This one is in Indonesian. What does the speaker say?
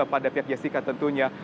pada pihak jessica tentunya